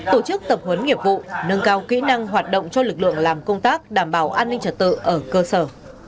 tổ chức tập huấn nghiệp vụ nâng cao kỹ năng hoạt động cho lực lượng làm công tác đảm bảo an ninh trật tự ở cơ sở